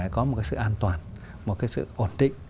có một cái sự an toàn một cái sự ổn định